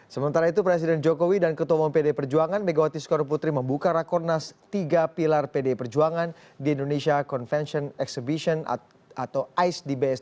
sementara itu presiden jokowi dan ketua umum pd perjuangan megawati sukarno putri membuka rakornas tiga pilar pd perjuangan di indonesia convention exhibition atau ais di bst